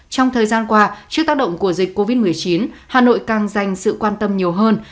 trong thời gian qua trước tác động của dịch covid một mươi chín hà nội càng dành sự quan tâm nhiều hơn